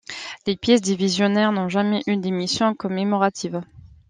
Les pièces divisionnaires n'ont jamais eu d’émissions commémoratives.